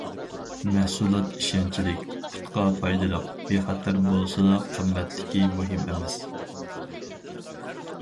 مەھسۇلات ئىشەنچلىك، پۇتقا پايدىلىق، بىخەتەر بولسىلا قىممەتلىكى مۇھىم ئەمەس.